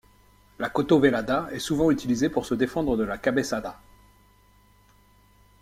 La cotovelada est souvent utilisée pour se défendre de la cabeçada.